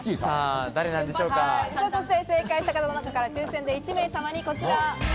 そして正解した方の中から抽選で１名様にこちら。